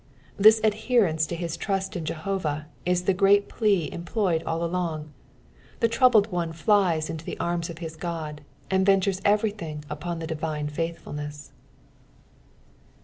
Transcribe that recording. This ndherenue to his trust in Jehovah is the great plea employed all along : the troubled one flies into the arms of his Ood, and ventures everything upon the divine faithfulness.